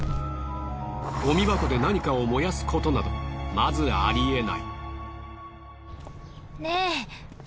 ゴミ箱で何かを燃やすことなどまずありえない。